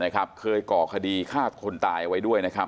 เคยก่อคดีฆ่าคนตายไว้ด้วย